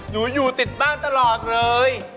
อยู่ติดบ้านตลอดเลย